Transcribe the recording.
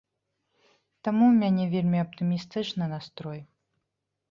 Таму ў мяне вельмі аптымістычны настрой.